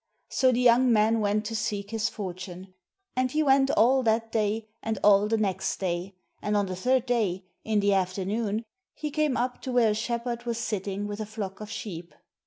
So the young man went to seek his fortune. And he went all that day, and all the next day ; and on the third day, in the afternoon, he came up to where a shepherd was sitting with a flock of sheep.